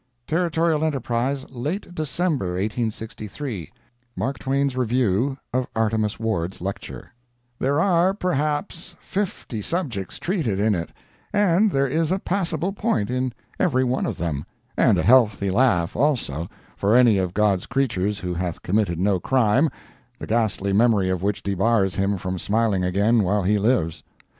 Territorial Enterprise, late December 1863 [Mark Twain's review of Artemus Ward's lecture] "There are perhaps fifty subjects treated in it, and there is a passable point in every one of them, and a healthy laugh, also, for any of God's creatures who hath committed no crime, the ghastly memory of which debars him from smiling again while he lives.